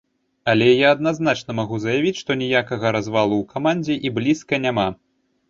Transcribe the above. Але я адназначна магу заявіць, што ніякага развалу ў камандзе і блізка няма.